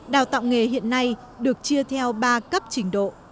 đào tạo nghề hiện nay được chia theo ba cấp trình độ